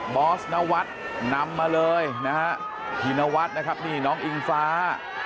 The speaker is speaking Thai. บอสนวัดนำมาเลยนะฮะพีนวัดนะครับนี่น้องอิงฟ้า